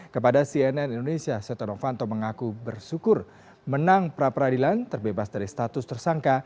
kepada cnn indonesia setia novanto mengaku bersyukur menang praperadilan terbebas dari status tersangka